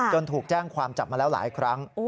ถูกแจ้งความจับมาแล้วหลายครั้ง